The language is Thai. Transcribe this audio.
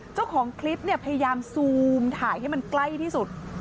เจ้าของคลิปเนี่ยพยายามซูมถ่ายให้มันใกล้ที่สุด